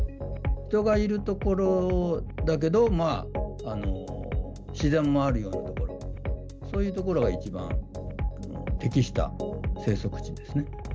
人がいる所だけど、自然もあるような所、そういう所が一番、適した生息地ですね。